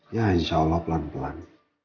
ya insyaallah pelan pelan